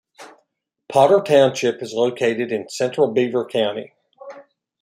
Potter Township is located in central Beaver County.